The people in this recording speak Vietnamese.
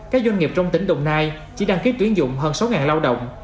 các doanh nghiệp trong tỉnh đồng nai chỉ đăng ký tuyển dụng hơn sáu lao động